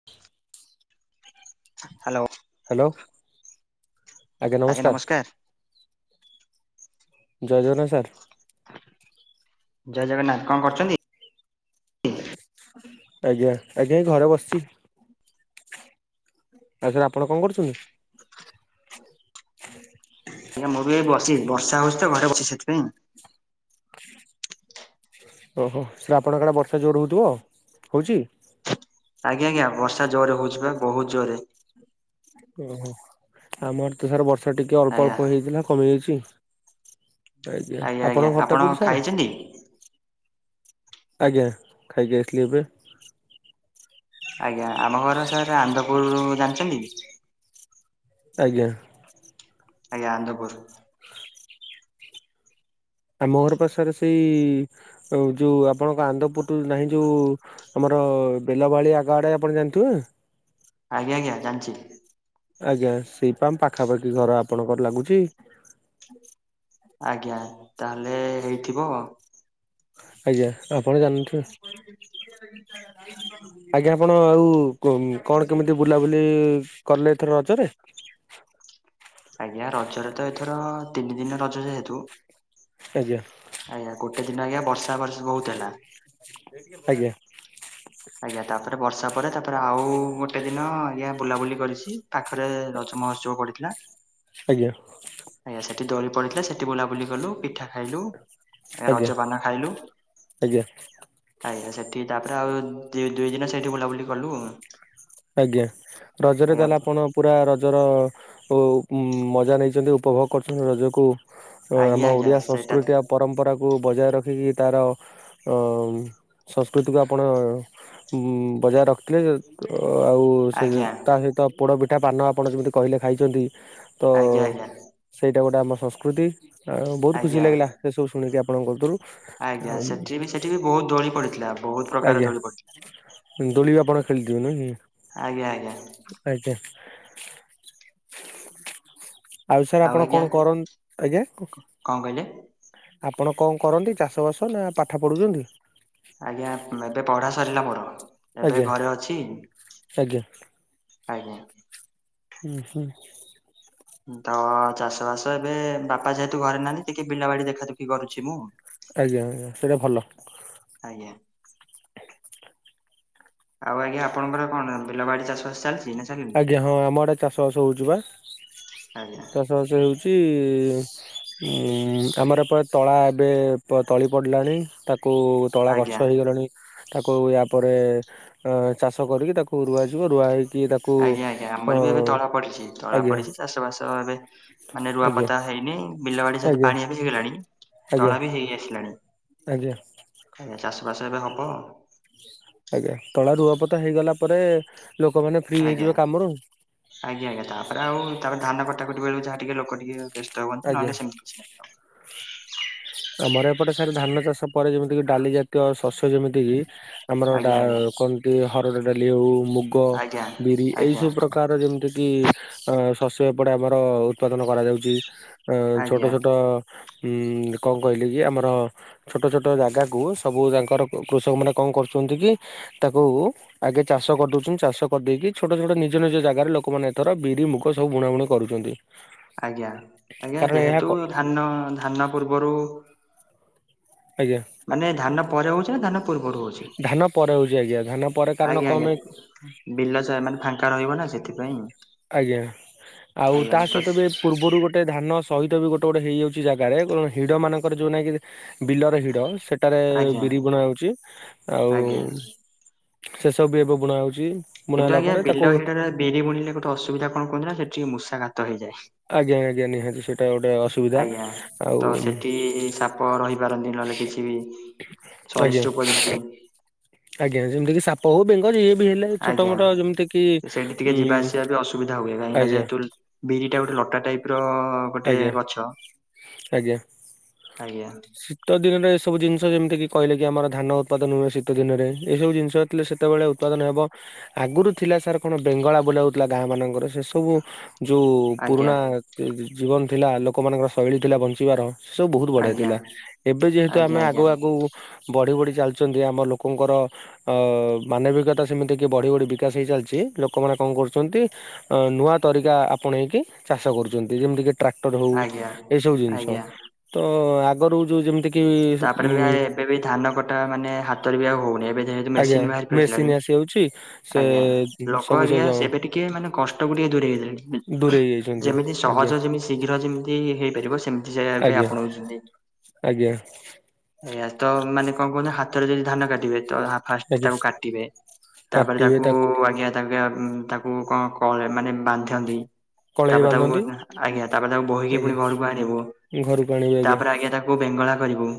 [inaudible] Hello. Hello. ଆଜ୍ଞା ନମସ୍କାର। ଜୟ ଜଗନ୍ନାଥ ସାର୍। ଜୟ ଜଗନ୍ନାଥ। କଣ କରୁଚନ୍ତି? ଆଜ୍ଞା। ଆଜ୍ଞା ଏଇ ଘରେ ବସିଚି। ସାର୍ ସାର୍ ଆପଣ କଣ କରୁଚନ୍ତି? ଆଜ୍ଞା ମୁଁ ବି ଏଇ ବସିଚି। ବର୍ଷା ହଉଚି ତ ଘରେ ବସିଚି ସେଥିପାଇଁ। ଓହୋ ସାର୍ ଆପଣଙ୍କ ଆଡେ ବର୍ଷା ଜୋର ହଉଥିବ ହଉଚି? ଆଜ୍ଞା, ଆଜ୍ଞା। ବର୍ଷା ଜୋରେ ହଉଚି ପା ବହୁତ୍ ଜୋରେ। ଓହୋ। ଆମ ଆଡେ ତ ସାରେ ବର୍ଷା ଟିକେ ଅଳ୍ପ ଆଜ୍ଞା। ଅଳ୍ପ ହେଇଥିଲା କମିଯାଇଚି। ଆଜ୍ଞା। ଆଜ୍ଞା ଆପଣଙ୍କ ଆପଣ ଘରଟା କୋଉଠି ସାରେ? ଖାଇଛନ୍ତି? ଆଜ୍ଞା। ଖାଇକି ଆସିଲି ଏବେ। ଆଜ୍ଞା। ଆମ ଘର ସାର୍ ଆନନ୍ଦପୁର ଜାଣିଚନ୍ତି? ଆଜ୍ଞା। ଆଜ୍ଞା ଆନନ୍ଦପୁର୍। ଆମ ଘର ପା ସାର୍ ସେଇ ଯୋଉ ଆପଣଙ୍କ ଆନନ୍ଦପୁରୁ ଠୁ ନାହିଁ ଯୋଉ ଆମର ବେଲବାଳି ଆଗ ଆଡେ ଆପଣ ଜାଣିଥିବେ? ଆଜ୍ଞା ଆଜ୍ଞା ଜାଣିଚି। ଆଜ୍ଞା। ସେଇପା ଆମ୍ ପାଖାପାଖି ଘର ଆପଣଙ୍କର ଲାଗୁଚି। ଆଜ୍ଞା। ତାହେଲେ ହେଇଥିବ। ଆଜ୍ଞା। ଆପଣ ଜାଣିନଥିବେ। ଆଜ୍ଞା ଆପଣ ଆଉ କଣ କେମିତି ବୁଲାବୁଲି କଲେ ଏଥର ରଜରେ? ଆଜ୍ଞା ରଜରେ ତ ଏଥର ତିନି ଦିନ ରଜ ଯେହେତୁ ଆଜ୍ଞା। ଆଜ୍ଞା ଗୋଟେ ଦିନ ଆଜ୍ଞା ବର୍ଷା ବର୍ଷି ବହୁତ୍ ହେଲା। ଆଜ୍ଞା। ଆଜ୍ଞା ତାପରେ ବର୍ଷା ପରେ ତାପରେ ଆଉ ଗୋଟେ ଦିନ ଆଜ୍ଞା ବୁଲାବୁଲି କରିଚି। ପାଖରେ ରଜ ମହୋତ୍ସବ ପଡିଥିଲା। ଆଜ୍ଞା। ଆଜ୍ଞା ସେଠିି ଦୋଳି ପଡିଥିଲା ସେଠି ବୁଲାବୁଲି କଲୁ। ପିଠା ଖାଇଲୁ। ଏ ଆଜ୍ଞା ରଜପାନ ଖାଇଲୁ। ଆଜ୍ଞା। ଆଜ୍ଞା ସେଠି ତାପରେ ଆଉ ଦୁ ଦୁଇ ଦିନ ସେଠି ବୁଲାବୁଲି କଲୁ। ଆଜ୍ଞା ରଜରେ ଆଜ୍ଞା ତାହେଲେ ଆପଣ ପୁରା ରଜର ଉ ଉଁ ମଜା ନେଇଚନ୍ତି ଉପଭୋଗ କରିଚନ୍ତି ରଜକୁ। ଆଜ୍ଞା ଆମ ଆଜ୍ଞା ଓଡିଆ ସେଇଟା ସଂସ୍କୃତି ଆଉ ପରମ୍ପରାକୁ ବଜାୟ ରଖିକି ତାର ଅମ୍ ସଂସ୍କୃତିକୁ ଆପଣ ଉଁ ବଜାୟ ରଖିଥିଲେ ଅ ଆଉ ସେ ଆଜ୍ଞା ତା ସହିତ ପୋଡ଼ ପିଠା ପାନ ଆପଣ ଯେମିତି କହିଲେ ଖାଇଚନ୍ତି ତ ଆଜ୍ଞା ଆଜ୍ଞା ସେଇଟା ଗୋଟେ ଆମ ସଂସ୍କୃତି। ଆଉ ବହୁତ୍ ଖୁସି ଆଜ୍ଞା ଲାଗିଲା ସେ ସବୁ ଶୁ ଶୁଣିକି ଆପଣଙ୍କ କତିିରୁ। ଆଜ୍ଞା। ସେଠି ବି ସେଠି ବି ବହୁତ୍ ଦୋଳି ପଡିଥିଲା। ବହୁତ୍ ଆଜ୍ଞା ଦୋଳି ବି ଆପଣ ଖେଳିଥିବେ ନୁହେଁ କି? ଆଜ୍ଞା ଆଜ୍ଞା। ଆଜ୍ଞା। ଆଉ ସାର୍ ଆପଣ କଣ କରନ୍ ଆଜ୍ଞା। କଣ କହିଲେ ଆପଣ କଣ କରନ୍ତି ଚାଷବାସ ନା ପାଠ ପଢୁଚନ୍ତି? ଆଜ୍ଞା ଏବେ ପଢା ସରିଲା ମୋର ଏବେ ଆଜ୍ଞା ଘରେ ଅଛି। ଆଜ୍ଞା ଆଜ୍ଞା। ହୁଁ ହୁଁ। ଧ ଚାଷବାସ ଏବେ ବାପା ଯେହେତୁ ଘରେ ନାହାନ୍ତି ଟିକେ ବିଲବାଡି ଦେଖାଦେଖି କରୁଛି ମୁଁ ଆଜ୍ଞା ସେଇରା ଭଲ। ଆଜ୍ଞା। ଆଉ ଆଜ୍ଞା ଆପଣଙ୍କର କଣ ବିଲବାଡି ଚାଷବାସ ଚାଲିଚି ନା ଚାଲିନି? ଆଜ୍ଞା ହଁ ଆମ ଆଡ଼େ ଚାଷବାସ ହଉଚି ବା ଆଜ୍ଞା ଚାଷବାସ ହଉଚି। ଉଁ ଆମର ଏପ ତଳା ଏବେ ତ ତଳି ପଡ଼ିଲାଣି ତାକୁ ତଳା ଆଜ୍ଞା ଗଛ ହେଇଗଲାଣି। ତାକୁ ୟାପରେ ଅ ଚାଷ କରିକି ତାକୁ ରୁଆଯିବ ରୁଆ ହେଇକି ତାକୁ ଆଜ୍ଞା ଆଜ୍ଞା ଅ ଆମର ବି ଏବେ ତଳା ପଡିଚି ତଳା ଆଜ୍ଞା ପଡିଚି ଚାଷବାସ ଏବେ ମାନେ ଆଜ୍ଞା ରୁଆପତା ହେଇନି ବିଲ ବାଡି ଯେହେତୁ ଆଜ୍ଞା ପାଣି ବି ହେଇଗଲାଣି ଆଜ୍ଞା ତଳା ବି ହେଇ ଆସିଲାଣି। ଆଜ୍ଞା। ଆଜ୍ଞା ଚାଷବାସ ଏବେ ହବ। ଆଜ୍ଞା ତଳା ରୁଆପୋତା ହେଇଗଲା ପରେ ଲୋକମାନେ ଫ୍ରି ଆଜ୍ଞା। ହେଇଯିବେ କାମରୁ। ଆଜ୍ଞା ଆଜ୍ଞା ତାପରେ ଆଉ ତାପରେ ଧାନ କଟାକଟି ବେଳୁକୁ ଯାହା ଟିକେ ଲୋକ ଟିକେ ବେସ୍ତ ହୁଅନ୍ତି ଆଜ୍ଞା ନହେଲେ ସେମିତି କିଛି ନାହିଁ। ଆମର ଏପଟେ ସାର୍ ଧାନ ଚାଷ ପରେ ଯେମିତି କି ଡାଲି ଜାତୀୟ ଶସ୍ୟ ଯେମିତି କିି ଆମର ଡା ଆଜ୍ଞା ଆଜ୍ଞା କୁହନ୍ତି ହରଡ ଡାଲି ଆଉ ମୁଗ ଆଜ୍ଞା ବିରି ଏଇ ଆଜ୍ଞା ସବୁ ପ୍ରକାର ଯେମିତି କି ଅ ଶସ୍ୟ ଏପଟେ ଆମର ଉତ୍ପାଦନ କରାଯାଉଚି। ଅ ଛୋଟ ଆଜ୍ଞା ଛୋଟ ଉଁ କଣ କହିଲେ କି ଆମର ଛୋଟ ଛୋଟ ଜାଗାକୁ ସବୁ ତାଙ୍କର କୁ କୃଷକମାନେ କଣ କରୁଚନ୍ତି କି ତାକୁ ଆଗେ ଚାଷ କରିଦଉଚନ୍ତି ଚାଷ କରିଦେଇକି ଛୋଟ ଛୋଟ ନିଜ ନିଜ ଜାଗାରେ ଲୋକମାନେ ଏଥର ବିରି ମୁଗ ସବୁ ବୁଣାବୁଣି କରୁଚନ୍ତି। ଆଜ୍ଞା ଆଜ୍ଞା ଯେହେତୁ କ ଧାନ ଧାନ ପୂର୍ବରୁ ଆଜ୍ଞା। ମାନେ ଧାନ ପରେ ହଉଚି ନା ଧାନ ପୂର୍ବୁରୁ ହଉଚି ଧାନ ପରେ ହଉଛି ଆଜ୍ଞା ଧାନ ପରେ କାରଣ ଆଜ୍ଞା କଣ ପାଇଁ ଆଜ୍ଞା।। ବିଲ ଚା ମାନେ ଫାଙ୍କା ରହିବ ନା ସେଥିପାଇଁ। ଆଜ୍ଞା ଆଉ ଆଜ୍ଞା ତା ତ ସହିତ ବି ପୂର୍ବୁରୁ ଗୋଟେ ଧାନ ସ ସହିତ ବି ଗୋଟେ ଗୋଟେ ହେଇଯାଉଚି ଜାଗାରେ ଗୋ ହିଡ଼ମାନଙ୍କର ଯୋଉ ନାଇଁ କି ବିଲରେ ହିଡ଼ ସେ ଟାରେ ଆଜ୍ଞା ବିରି ବୁଣାହଉଚି ଆଉ ଆଜ୍ଞା ସେ ସବୁ ବି ଏବେ ବୁଣାହଉଚି। କିନ୍ତୁ ଆଜ୍ଞା ବିଲ ହିଡରେ ବିରି ବୁଣିଲେ ଗୋଟେ ଅସୁବିଧା କଣ କୁ ନା ସେଠି ମୂଷାଘାତ ଆଜ୍ଞା ଆଜ୍ଞା ନିହାତି ସେଇଟା ଗୋଟେ ହେଇଯାଏ। ଅସୁବିଧା ଆଜ୍ଞା ଆଉ ତ ସେଠି ସାପ ରହିପାରନ୍ତି ନହେଲେ କିଛି ବି ଆଜ୍ଞା ସରିଷ୍ଟ ପୁଅ ଯେମିତି ଆଜ୍ଞା ଯେମିତି କି ସିପ୍ କୋଉ ବେଙ୍ଗ ଯିଏ ବି ହେଲେ ଛୋଟ ଆଜ୍ଞା ମୋଟ ଯେମିତି କି ସେଇଠି ଟିକେ ଉଁ ଯିବା ଆଜ୍ଞା। ବିରି ଟା ଗୋଟେ ଲଟା ଟାଇପ ର ଗୋଟେ ଆଜ୍ଞା ଗଛ ଆଜ୍ଞା। ଆଜ୍ଞା ଶୀତ ଦିନରେ ଏସବୁ ଜିନିଷ ଯେମିତି କିି କହିଲେ କି ଆମର ଧାନ ଉତ୍ପାଦନ ହୁଏ ଶୀତ ଦିନରେ ଏଇସବୁ ଜିନିଷ ଥିଲେ ସେତେବେଳେ ଉତ୍ପାଦନ ହେବ। ଆଗରୁ ଥିଲା ସାର୍ କଣ ବେଙ୍ଗଳା ବୁଲା ହଉଥିଲା ଗାଁ ମାନଙ୍କର ସେ ସବୁ ଯେଉଁ ଆଜ୍ଞା ପୁରୁଣା ଜୀବନ ଥିଲା ଲୋକମାନଙ୍କର ଶୈଳୀ ଥିଲା ବଞ୍ଚିବାର ସେ ସବୁ ବହୁତ ବଢିଆ ଆଜ୍ଞା ଥିଲା ଏବେ ଯେହେତୁ ଆଜ୍ଞା ଆମେ ଆଗୁ ଆଜ୍ଞା ଆଗକୁ ବଢି ବଢି ଚାଲିଛନ୍ତି ଆମ ଲୋକଙ୍କର ଅ ମାନବିକତା ସେମିତି କି ବଢି ବଢି ବିକାଶ ହେଇ ଚାଲିଛି ଲୋକମାନେ କଣ କରୁଛନ୍ତି। ଅ ନୂଆ ତରିକା ଆପଣେକି ଚାଷ କରୁଚନ୍ତି ଯେମିତି କି ଟ୍ରାକ୍ଟର ହଉ ଆଜ୍ଞା ଏଇସବୁ ଜିନିଷ ଆଜ୍ଞା ତ ଆଗରୁ ଯୋଉ ଯେମତି ତାପରେ ବି ଆ ଏବେ ବି ଧାନ କଟା ମାନେ ହାତରେ ବି ଆଉ ହଉନି ଏବେ ଯେହତୁ ଆଜ୍ଞା ମେସିନ୍ ବାହାରି ମେସିନ ପରିସଲାଡି ଆସିଯାଉଛି। ସେ ଆଜ୍ଞା ଲୋକ ସବୁ ସେ ଆଜ୍ଞା ସେବେ ଟିକେ ମାନେ କଷ୍ଟ କୁ ଟିକେ ଦୂରେଇଗି ଲେଣି ଦୂରେଇ ଯାଇଛନ୍ତି ଯେମିତି ଆଜ୍ଞା ସହଜ ଯେମି ଶୀଘ୍ର ଯେମି ହେ ହେଇପାରିବ ସେମିତି ଯାଗା ପାଇଁ ଆଜ୍ଞା ଆପଣଉଛନ୍ତି। ଆଜ୍ଞା। ଆୟା ତ ମାନେ କଁ କହୁନ ହାତରେ ଯଦି ଧାନ କାଟିବେ ତଧା ଫାଷ୍ଟ ଆଜ୍ଞା ତାକୁ କାଟିବେ ତାପରେ ତାକୁ ଆଜ୍ଞା [unintelligible] ଉମ ତାକୁ କଁ କରେ ମାନେ ବାନ୍ଧିନ୍ତି କଳେଇ ତାପରେ ତାକୁ ବାନ୍ଧନ୍ତି ଆଜ୍ଞା ତାପରେ ତାକୁ ବହିକି ଆଜ୍ଞା ପୁଣି ଘରକୁ ଆଣିବୁ ଘରକୁ ଆଣିବେ ତାପରେ ଆଜ୍ଞା ତା କୁ ବେଙ୍ଗଳା କରିବୁ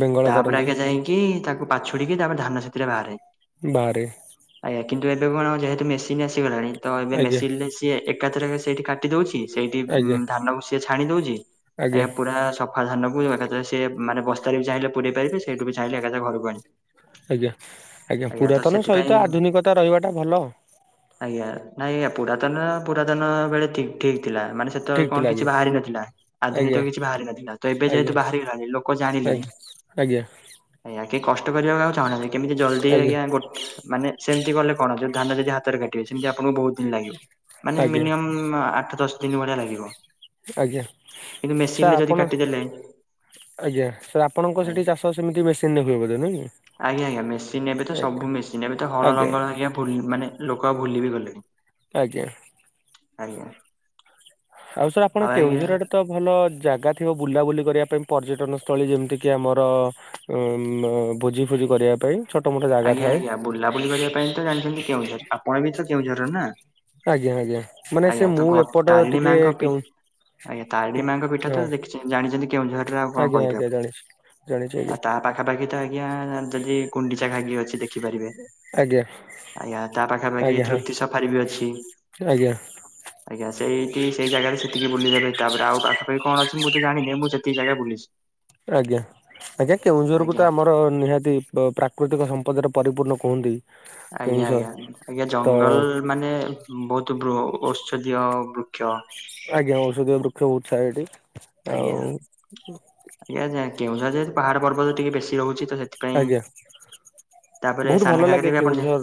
ବେଙ୍ଗଳ ତାପରେ କରନ୍ତି ଆଗେ ଯାଇକି ତାକୁ ପାଛୁଡିକି ତାପ ଧାନ ସେଥିରେ ବାହାରେ। ବାରେ ଆଜ୍ଞା କିନ୍ତୁ ଏବେ କଣ ଯେହେତୁ ମେସିନ ଆସିଗଲାଣି ତ ଏବେ ଆଜ୍ଞା ମେସିନଲେ ସିଏ ଏକାଥରକ ସେଇଠି କାଟ ଟିଦୋଉଚି ସେଇଠି ଆଜ୍ଞା ଉମ ଧାନକୁ ସିଏ ଛାଣି ଦଉଚି ଆଜ୍ଞା ପୁରା ସଫା ଧାନକୁ ଏକାଥରେ ସିଏ ମାନେ ବସ୍ତାରେ ବି ଚାହିଁଲେ ପୁରେଇ ପାରିବେ ସେଇଠୁ ବି ଚାହିଁଲେ ଏକାଥ ଘକୁ ଆଣି ଆଜ୍ଞା ଆଜ୍ଞା ପୁରାତନ ସେଥିପାଇଁ ସହିତ ଆଧୁନିକତା ରହିବାଟା ଭଲ। ଆଜ୍ଞା ନାଇ ପୁରାତନ ପୁରାତନ ବେଳେ ଠି ଠିକ ଥିଲା ମାନେ ସେତବେଳେ ଠିକ ଥିଲା କଣ କିଛି ଆଜ୍ଞା ବାହାରି ନଥିଲା ଆଜ୍ଞା ଆଧୁନିତ କିଛି ବାହାରି ନଥିଲା ତ ଏବେ ଆଜ୍ଞା ଯେହେତୁ ବାହାରଗଲାନି ଲୋ ଜାଣିଲେଣି ଆଜ୍ଞା ଆୟା କେ କଷ୍ଟ କରିବାକୁ ଆଉ ଚାହୁଁନାହାନ୍ତି କେମିତି ଜଲଦି ଆଜ୍ଞା ଗୋ ମାନେ ସେମିତି କଲେ କଣ ଯଉ ଧାନ ଯଦି ହାତରେ କାଟିବେ ସେମିତି ଆପଣଙ୍କୁ ବହୁତ ଦିନ ଲାଗିବ। ମାନେ ଆଜ୍ଞା ଆଜ୍ଞା ମିନିମମ୍ ଆଠ ଦଶ ଦିନ ଭଳିଆ ଲାଗିବ। ଆଜ୍ଞା କିନ୍ତୁ ମେସିନ ସାର୍ ରେ ଯଦି ଆପଣ କାଟିଦେଲେ ଆଜ୍ଞା ସାର୍ ଆପଣଙ୍କ ଆଜ୍ଞା ସେଠି ଚାଷ ସେମିତି ମେସିନରେ ହୁଏବ ବୋଧେ ନାଇଁ? ଆଜ୍ଞା ଆଜ୍ଞା ମେସିନ୍ ଏବେ ତ କି ଆଜ୍ଞା ସବୁେସିନ୍ ଏବେ ତ ହଳ ଲଙ୍ଗଳ ଆଜ୍ଞା ଭୁଲ ମାନେ ଲୋକ ଆଉ ଭୁଲି ବିି ଗଲେଣି। ଆଜ୍ଞା। ଆଜ୍ଞା। ଆଉ ! ! ଆଜ୍ଞା ! ! ! ! ! ! ! ! ଭଲ ଜାଗା ଥିବ ବୁଲାବୁଲି କରିବା ପାଇଁ ପର୍ଯ୍ୟଟନ ସ୍ଥଳୀ ଯେମିତିକି ଆମର ଉମ ମ ଭୋଜି ଫୋଜି କରିବା ପାଇଁ ଛୋଟ ମୋଟ ଜାଗା ଆଜ୍ଞା ଥାଏ। ଆଜ୍ଞା ବୁଲାବୁଲି କରିବା ପାଇଁ ତ ଜାଣିଛନ୍ତି କେଉଁଝର ପାଟଣା ବି ତ କେଉଁଝର ନା। ଆଜ୍ଞା ଆଜ୍ଞା ମାନେ ଆଜ୍ଞା ସେ ତ ମୁଁ ଘ ଏପଟ ତାରିଣୀ ଟିକେ ମାଙ୍କ ପି କେଉ ଆଜ୍ଞା ତାରିଣୀ ମାଆଙ୍କ ପୀଠ ତ ଦେଖିଚି ଜାଣିଛନ୍ତି କେଉଁଝରରେ ଆଉ କଁ କହିବ ଆପ ଜଣିଚି ଆଜ୍ଞା। ପାଖାପାଖି ତ ଆଜ୍ଞା ଯଦି କୁଣ୍ଡିଚା ଘାଗି ଅଛି ଦେଖିପାରିବେ। ଆଜ୍ଞା ଆଜ୍ଞା ତା ପାଖାପାଖି ଆଜ୍ଞା ହଁ ତୃପ୍ତି ସଫାରି ବି ଅଛି। ଆଜ୍ଞା। ଆଜ୍ଞା ସେଇଠି ସେଇ ଜାଗାରେ ସେତିକି ବୁଲିବାରେ ତାପରେ ଆଉ ପାଖାପାଖି କଣ ଅଛି ମୁଁ ତ ଜାଣିନି ମୁଁ ସେତିକି ଜାଗା ବୁଲିଚି। ଆଜ୍ଞା ଆଜ୍ଞା କେଉଁଝର ବିତ ଆମ ଓଃ ନିହାତି ପ ପ୍ରାକୃତିକ ସମ୍ପଦରେ ପରିପୂର୍ଣ୍ଣ କୁହନ୍ତି। ଆଜ୍ଞା କେଉଁଝର ଆଜ୍ଞା ଆଜ୍ଞା ତ ଜଙ୍ଗଲ୍ ମାନେ ବହୁତ ବ୍ରୋ ଔଷଧୀୟ ବୃକ୍ଷ ଆଜ୍ଞା ଔଷଧୀୟ ବୃକ୍ଷ ବୁଛା ଏଠି। ଆଜ୍ଞା ଆଉ ଆୟା ଯା କେଉଁଝର ଯେହେତୁ ପାହାଡ ପର୍ବତ ଟିକେ ବେଶୀ ରହୁଛି ତ ସେଥି ଆଜ୍ଞା ବହୁତ୍ ସାନ ଭଲ ଘାଗରା ଲାଗେ ବି ଆପଣ ଯା କେଉଁଝର।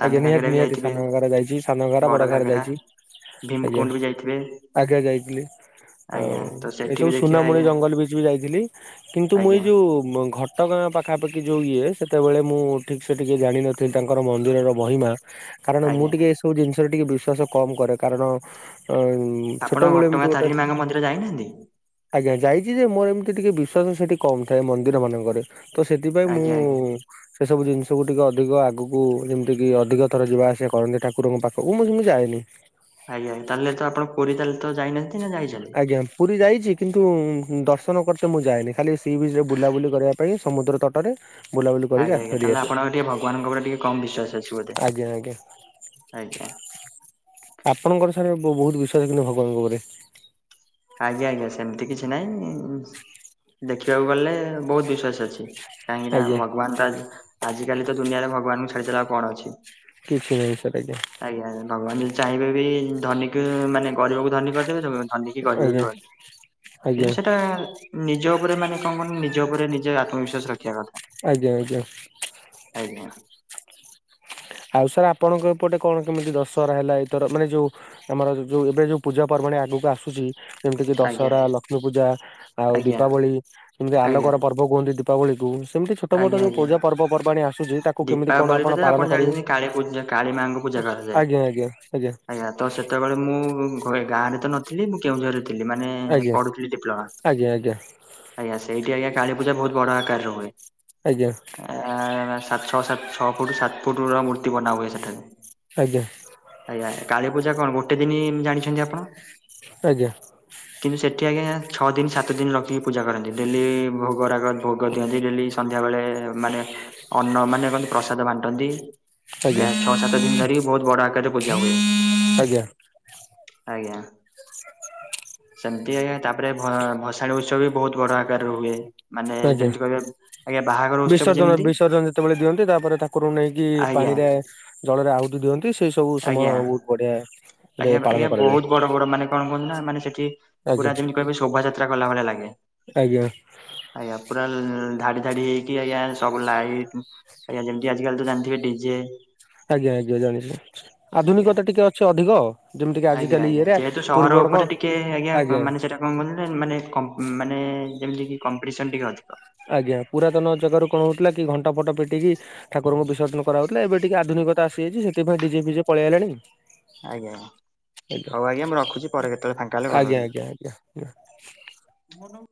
ସାନ ଆଜ୍ଞା ଘାଗରା ନିହାତି ବି ନିହାତି ଯାଇଥିବେ ସାନ ଘାଗର ଯାଇଚି। ସାନ ଘାଗର ବଡ଼ ବଡ ଘାଗର ଘାଗରା ଯାଇଚି। ଆଜ୍ଞା ଭୀମକୁଣ୍ଡ ବି ଯାଇଥିବେ ଆଜ୍ଞା ଯାଇଥିଲି ଆଉ ଆଜ୍ଞା ତୋସ୍ ଏସବୁ ସୁନାମୁଣି ଜଙ୍ଗଲ ଭିତରକୁ ଯାଇଥିଲି କିନ୍ତୁ ମୁଁ ଏଇ ଆଜ୍ଞା ଯୋଉ ଘଟଗାଁ ପା ତା ପ୍ରତି ଯୋଉ ଇଏ ସେତେବେଳେ ମୁଁ ଠିକ୍ ସେ ଟିକେ ଜାଣିନଥିଲି ତାଙ୍କର ମନ୍ଦିରର ମହିମା। କାରଣ ମୁଁ ଆଜ୍ଞା। ଟିକେ ଏସବୁ ଜିନିଷରେ ଟିକେ ବିଶ୍ଵାସ କମ୍ କରେ କାରଣ ଉଁ ଆପଣ ଘଟଗାଁ ତାରିଣୀ ମାଆଙ୍କ ମନ୍ଦିର ଯାଇଛନ୍ତି? ଆଜ୍ଞା ଯାଇଛି ଯେ ମୋର ଏମିତି ଟିକେ ବିଶ୍ୱାସ ସେଇଟି କମ୍ ଥାଏ ମନ୍ଦିର ମାନଙ୍କରେ। ତ ସେଥିପାଇଁ ମୁଁ ଆଜ୍ଞା ଆଜ୍ଞା ଏସବୁ ଜିନିଷକୁ ଟିକେ ଅଧିକ ଆଗକୁ ଯେମିତିକି ଅଧିକ ଥର ଯିବା ଆସିବା କରନ୍ତି ଠାକୁରଙ୍କ ପାଖକୁ ମୁଁ କିନ୍ତୁ ଯାଏନି। ଆଜ୍ଞା ତାହେଲେ ତ ଆପଣ ପୁରୀ ତାହେଲେ ତ ଯାଇନାହାନ୍ତୀ? ଆଜ୍ଞାମ୍। ପୁରୀ ଯାଇଛି କିନ୍ତୁ ଦର୍ଶନ କରିତେ ମୁଁ ଯାଏନି ଖାଲି ସି ବିଚ୍ ରେ ବୁଲାବୁଲି କରିବା ପାଇଁ ସମୁଦ୍ର ତଟ କରେ ବୁଲାବୁଲି କରିକି ଆଜ୍ଞା ଆସି ଆଜ୍ଞା ତାହେଲେ ଫେରିଆସେ ଆପଣଙ୍କର ଟିକେ ଭଗବାନଙ୍କ ଉପରେ ଟିକେ କମ୍ ବିଶ୍ୱାସ ଅଛି ବୋଧେ ଆଜ୍ଞା ଆଜ୍ଞା ଆଜ୍ଞା। ଆପଣଙ୍କର ସାଡେ ବହୁତ୍ ବିଶ୍ଵାସ କିନ୍ତୁ ଭଗବାନଙ୍କ ଉପରେ। ଆଜ୍ଞା ଆଜ୍ଞା ସେମିତି କିଛି ନାଇଁ ଦେଖିବାକୁ ଗଲେ ବହୁତ ବିଶ୍ଵାସ ଅଛି। କାହିଁକି ନା ଆଜ୍ଞା ଭଗବାନ ତା ଆଜିକାଲି ତ ଦୁନିଆରେ ଭଗବାନଙ୍କୁ ଛାଡ଼ିଦେଲେ ଆଉ କଣ ଅଛି। କିଛି ନାହିଁ ସେଟା କି ଆଜ୍ଞା। ଆଜ୍ଞା ଭଗବାନ ଯଦି ଚାହିଁବେ ବି ଧନୀକୁ ମାନେ ଗରିବକୁ ଧନୀ କରିଦେବେ ଧନିକି ଗରିିବ ବି ଆଜ୍ଞା କରିଦେବେ ଆଜ୍ଞା କିନ୍ତୁ ସେଟା ନିଜ ଉପରେ ମାନେ କଣ କୁଅନି ନିଜ ଉପରେ ନିଜେ ଆତ୍ମବିଶ୍ୱାସ ରଖିବା କଥା। ଆଜ୍ଞା ଆଜ୍ଞା। ଆଜ୍ଞା। ଆଉ ସାର୍ ଆପଣଙ୍କ ଏପଟେ କଣ କେମିତି ଦଶହରା ହେଲା ଏଇଥର ମାନେ ଯୋଉ ତମର ଯୋଉ ଏବେ ଯୋଉ ପୂଜା ପର୍ବାଣୀ ଆଗକୁ ଆସୁଛି? ଯେମିତି ଜି ଆଜ୍ଞା ଦଶହରା ଲକ୍ଷ୍ମୀ ପୂଜା ଆଉ ଆଜ୍ଞା ଦୀପାବଳି ଏମିତି ଆଜ୍ଞା ଆଲୋକର ପର୍ବ କୁହନ୍ତି ଦୀପାବଳିକୁ ସେମିତି ଛୋଟମୋଟ ଆଜ୍ଞା ଯୋଉ ଆଜ୍ଞା ପୂଜା ପର୍ବାଣି ଆସୁଛି ତାକୁ କେମିତି କଣ ଦୀପାବଳିରେ ଆପଣ ତ ପାଳନ କରିବେ? ଜାଣିଛନ୍ତି କାଳୀ ପୂଜା କାଳୀ ମାଙ୍କୁ ପୂଜା କରାଯାଏ ଆଜ୍ଞା ଆଜ୍ଞା ଆଜ୍ଞା। ତ ସେତେବେଳେ ମୁଁ ଘ ଗାଁରେ ତ ନଥିଲି ମୁଁ କେଉଁଝରରେ ଥିଲି ମାନେ ଆଜ୍ଞା ପଢୁଥିଲି ଡିପ୍ଲୋମା। ଆଜ୍ଞା ଆଜ୍ଞା ଆଜ୍ଞା ସେଇଟି ଆଜ୍ଞା କାଳି ପୂଜା ବହୁତ୍ ବଡ଼ ଆକାରରେ ହୁଏ। ଆଜ୍ଞା। ଆଁ ସାତ ଛଅ ସାତ ଛଅ ଫୁଟ ସାତ ଫୁଟ ର ମୂର୍ତ୍ତି ବନା ହୁଏ ସେଠାରେ। ଆଜ୍ଞା। ଆଜ୍ଞା କାଳୀପୂଜା କଣ ଗୋଟେ ଦିନି ଜାଣିଛନ୍ତି ଆପଣ? ଆଜ୍ଞା। କିନ୍ତୁ ସେଠି ଆଜ୍ଞା ଛଅ ଦିନି ସାତ ଦିନି ରଖିକି ପୂଜା କରନ୍ତି ଡେଲି ଭୋ ଭୋଗରାଗ ଭୋଗ ଦିଅନ୍ତି ଡେଲି ସନ୍ଧ୍ୟା ବେଳେ ମାନେ ଅନ୍ନ ମାନେ ମାନେ ମାନେ ପ୍ରସାଦ ବାଣ୍ଟନ୍ତି। ଆଜ୍ଞା ଆ ଛଅ ସାତ ଦିନ ଧରି ବହୁତ ବଡ଼ ଆକାରରେ ପୂଜା ହୁଏ। ଆଜ୍ଞା ଆଜ୍ଞା ସେମତି ଆଜ୍ଞା ତାପରେ ଭସାଣୀ ଉତ୍ସବ ବି ବହୁତ ବଡ ଆକାରରେ ହୁଏ ମାନେ ଆଜ୍ଞା ଯେମିତି କହିବେ ଆଜ୍ଞା ବାହାଘର ଉତ୍ସବ ବିସର୍ଜନ ଯେମିତି ବିସର୍ଜନ ଯେତେବେଳେ ଦିଅନ୍ତି ତାପରେ ଠାକୁରଙ୍କୁ ନେଇକି ଆଜ୍ଞା ପାଣି ରେ ଜଳରେ ଆହୁରି ଦିଅନ୍ତି ସେଇ ସବୁ ସମୟ ଆଜ୍ଞା ବହୁତ ବଢିଆ। ରେ ଆଜ୍ଞା ପାଳନ ଆଜ୍ଞା କରାଯାଏ ବହୁତ ବଡ ବଡ ମାନେ କଣ କୁୁ ନା ମାନେ ସେଠି ଆଜ୍ଞା ପୁରା ଯେମିତି ଶୋଭାଯାତ୍ରା କଲା ଭଳିଆ ଲାଗେ। ଆଜ୍ଞା। ଆଜ୍ଞା ପୁରା ଧା ଡି ହେଇକି ଆଜ୍ଞା ସବୁ ଲାଇଟ୍ ଆଜ୍ଞା ଯେମତି ଆଜି କାଲି ତ ଜାଣିଥିବେ ଡିଜେ। ଆଜ୍ଞା ଆଜ୍ଞା ଜାଣିଛି। ଆଜ୍ଞା ଆଧୁନିକତା ଟିକେ ଅଛି ଅଧିକ ଯେମିତିକି ଆଜ୍ଞା ଆଜିିକାଲି ଆଜ୍ଞା ଇଏରେ ଯେହେତୁ ସହର ଉପରେ ପୂର୍ବରଙ୍କ ଟିକେ ଆଜ୍ଞା ମାନେ ସେଟା କଣ କ ମାନେ ମାନେ ଯେମିତିକି କମ୍ପିଟିସନ ଟିକେ ଅଧିକ। ଆଜ୍ଞା ପୁରାତନ ଜାଗାରୁ କଣ ହଉଥିଲା କି ଘଣ୍ଟ ଫଟ ପିଟିକି ଠାକୁରଙ୍କୁ ବିସର୍ଜନ କରାହଉଥିଲା, ଏବେ ଟିକେ ଆଧୁନିକତା ଆସିଯାଇଛି, ସେଥିପାଇଁ ଡିଜେ ଫିଜେ କରାଗଲାଣି। ଆଜ୍ଞା, ହଉ ଆଜ୍ଞା ମୁଁ ରଖୁଛି, ପରେ କେତେବେଳେ ଫାଙ୍କା ହେଲେ କଲ ଆଜ୍ଞା କରିବି। ଆଜ୍ଞା [unintelligible]